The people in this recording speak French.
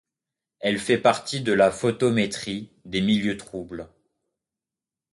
Elle fait partie de la photométrie des milieux troubles.